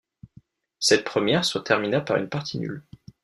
Cette première se termina par une partie nulle.